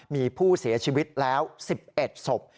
มีผู้เสียชีวิตแล้ว๑๑ศพ